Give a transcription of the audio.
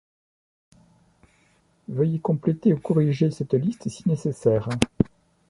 Veuillez compléter ou corriger cette liste si nécessaire.